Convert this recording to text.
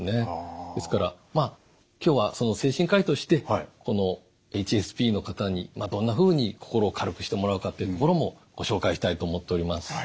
ですから今日は精神科医としてこのＨＳＰの方にどんなふうに心を軽くしてもらうかっていうところもご紹介したいと思っております。